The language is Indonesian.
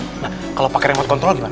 nah kalau pakai remote control gimana